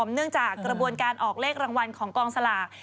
เนื่องจากกระบวนการออกเลขรางวัลของกองสลาก